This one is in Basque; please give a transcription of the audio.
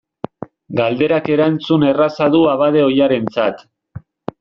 Galderak erantzun erraza du abade ohiarentzat.